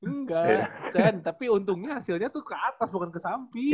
enggak dan tapi untungnya hasilnya tuh ke atas bukan ke samping